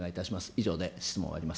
以上で質問を終わります。